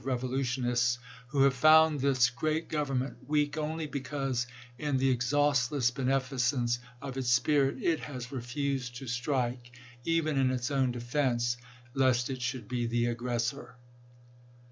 x. revolutionists, who have found this great Government Hoitto weak only because, in the exhaustless beneficence of its Feb.is.'isei'. spirit, it has refused to strike, even in its own defense, ^J; ^JH1, lest it should be the aggressor.